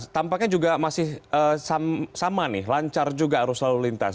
tampaknya juga masih sama nih lancar juga arus lalu lintas